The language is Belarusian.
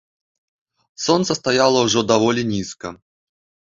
Сонца стаяла ўжо даволі нізка.